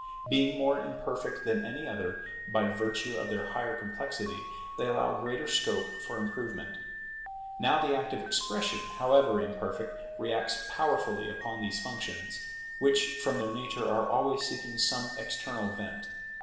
Being more imperfect than any other, by virtue of their higher complexity, they allow greater scope for improvement. Now the act of expression, however imperfect, reacts powerfully upon these functions, which from their nature are always seeking some external vent.